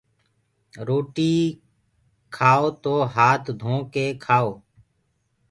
روٽي ڪآئو تو هآت ڌو ڪي کآئو